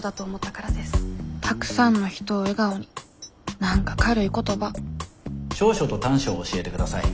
たくさんの人を笑顔に何か軽い言葉長所と短所を教えて下さい。